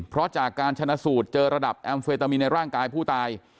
เพราะจากการชนะสูตรเจอระดับแอมเฟตามีนในร่างกายผู้ตาย